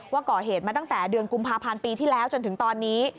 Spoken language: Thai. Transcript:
ว่าก่อเหตุมาตั้งแต่เดือนกุมภาพันธ์ปีที่แล้วจนถึงตอนนี้